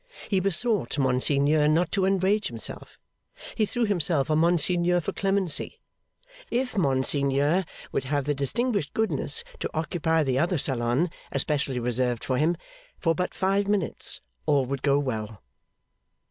He besought Monseigneur not to enrage himself. He threw himself on Monseigneur for clemency. If Monseigneur would have the distinguished goodness to occupy the other salon especially reserved for him, for but five minutes, all would go well.